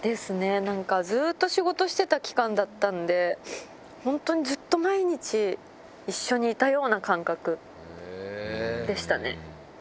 なんかずっと仕事してた期間だったんで、本当にずっと毎日一緒にいたような感覚でしたね。